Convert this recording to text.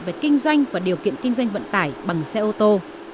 về kinh doanh và điều kiện kinh doanh vận tải bằng xe ô tô